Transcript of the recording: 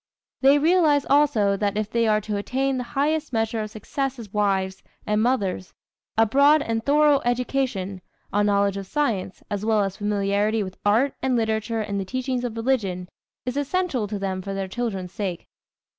They realize also that if they are to attain the highest measure of success as wives and mothers, a broad and thorough education a knowledge of science, as well as familiarity with art and literature and the teachings of religion is essential to them for their children's sake.